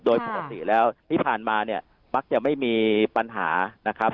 โดยปกติแล้วที่ผ่านมาเนี่ยมักจะไม่มีปัญหานะครับ